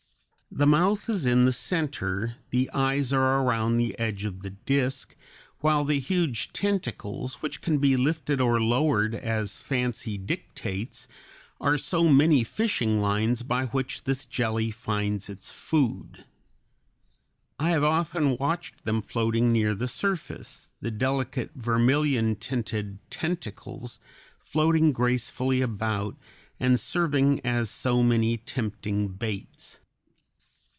The mouth is in the center, the eyes are around the edge of the disk, while the huge tentacles, which can be lifted or lowered as fancy dictates, are so many fishing lines by which this jelly finds its food. I have often watched them floating near the surface, the delicate vermilion tinted tentacles floating gracefully about, and serving as so many tempting baits.